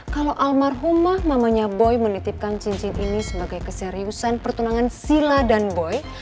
kalau almarhumah mamanya boy menitipkan cincin ini sebagai keseriusan pertunangan sila dan boy